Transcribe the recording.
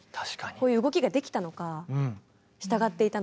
こういう動きができたのか従っていたのか。